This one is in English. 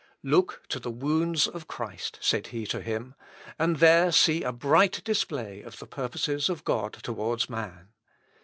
"Look to the wounds of Christ," said he to him, "and there see a bright display of the purposes of God towards man.